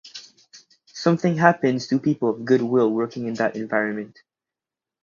Something happens to people of good will working in that environment.